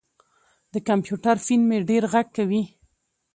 د کمپیوټر فین مې ډېر غږ کوي.